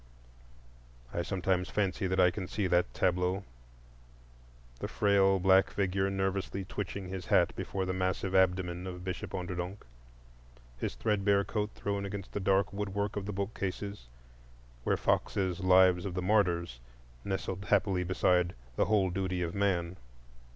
I sometimes fancy I can see that tableau: the frail black figure, nervously twitching his hat before the massive abdomen of Bishop Onderdonk; his threadbare coat thrown against the dark woodwork of the bookcases, where Fox's "Lives of the Martyrs" nestled happily beside "The Whole Duty of Man."